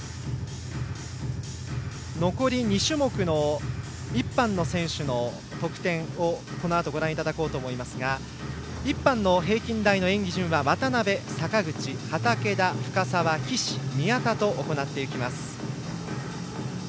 残り２種目の１班の選手の得点をご覧いただこうと思いますが１班の平均台の演技順は渡部、坂口畠田、深沢、岸、宮田と行っていきます。